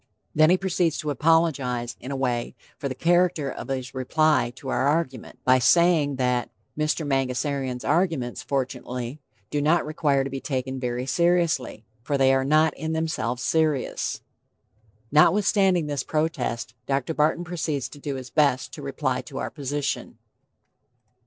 Then he proceeds to apologize, in a way, for the character of his reply to our argument, by saying that "Mr. Mangasarian's arguments, fortunately, do not require to be taken very seriously, for they are not in themselves serious." Notwithstanding this protest, Dr. Barton proceeds to do his best to reply to our position.